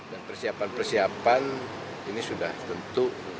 dan persiapan persiapan ini sudah tentu